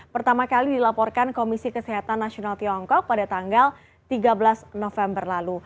pertama kali dilaporkan komisi kesehatan nasional tiongkok pada tanggal tiga belas november lalu